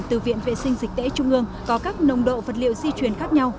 từ viện vệ sinh dịch tễ trung ương có các nồng độ vật liệu di chuyển khác nhau